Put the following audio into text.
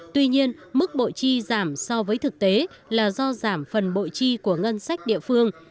tuy nhiên mức bộ chi giảm so với thực tế là do giảm phần bộ chi của ngân sách địa phương